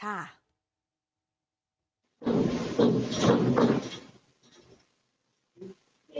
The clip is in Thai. เฮียล้อเฮ้ยเสร็จไหวล่ะ